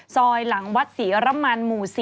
ซอยหลังวัดศรีอรมันหมู่๔